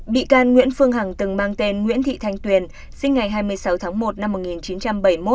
bị can nguyễn phương hằng từng mang tên nguyễn thị thanh tuyền sinh ngày hai mươi sáu tháng một năm một nghìn chín trăm bảy mươi một